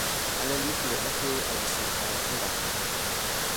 Alal məkuled ahe agusar ghar a təmbak.